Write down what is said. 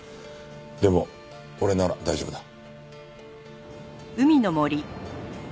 でも俺なら大丈夫だ。